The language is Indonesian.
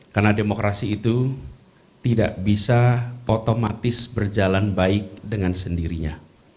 karena demokrasi itu tidak bisa otomatis berjalan baik dengan sendirinya